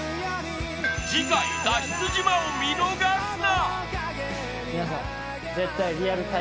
次回脱出島を見逃すな！